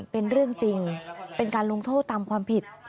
เป็นเรื่องจริงเป็นการลงโทษตามความผิด